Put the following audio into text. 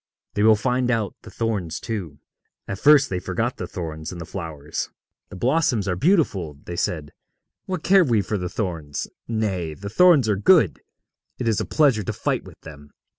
They will find out the thorns too. At first they forgot the thorns in the flowers. 'The blossoms are beautiful,' they said; 'what care we for the thorns? Nay, the thorns are good. It is a pleasure to fight with them.